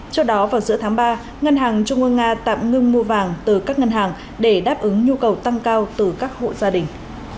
trước đó vào giữa tháng ba ngân hàng trung ương nga tạm ngưng mua vàng từ các ngân hàng để đáp ứng nhu cầu tăng cao từ các hộ gia đình